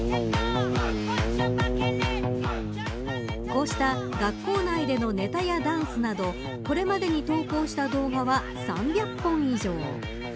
こうした、学校内でのネタやダンスなどこれまでに投稿した動画は３００本以上。